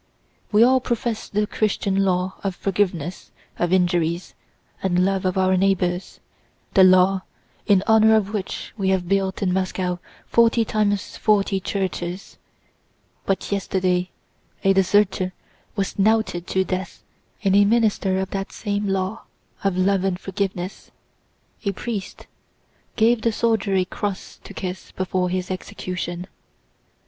We all profess the Christian law of forgiveness of injuries and love of our neighbors, the law in honor of which we have built in Moscow forty times forty churches—but yesterday a deserter was knouted to death and a minister of that same law of love and forgiveness, a priest, gave the soldier a cross to kiss before his execution."